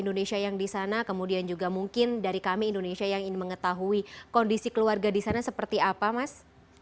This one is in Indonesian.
ini juga teman teman warga negara indonesia yang di sana kemudian juga mungkin dari kami indonesia yang ingin mengetahui kondisi keluarga di sana seperti apa mas